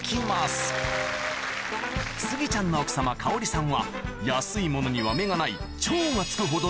スギちゃんの奥様香織さんは安いものには目がない